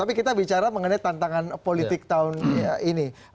tapi kita bicara mengenai tantangan politik tahun ini